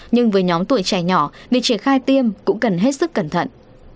nhưng với nhóm tuổi trẻ nhỏ việc triển khai tiêm cũng cần hết sức cẩn thận